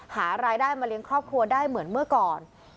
หารายได้มาเลี้ยงครอบครัวได้เหมือนเมื่อก่อน